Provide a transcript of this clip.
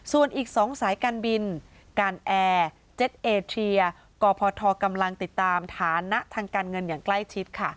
ส่วนอีก๒สายการบินการแอร์เจ็ดเอเทียบพทกำลังติดตามฐานะทางการเงินอย่างใกล้ชิดค่ะ